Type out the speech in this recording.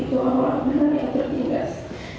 tuhan orang benar yang tertinggas